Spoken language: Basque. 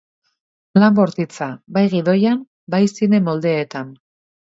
Lan bortitza bai gidoian bai zine moldeetan.